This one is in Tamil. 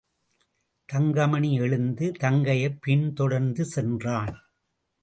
தங்கமணி எழுந்து தங்கையைப் பின்தொடர்ந்து சென்றான்.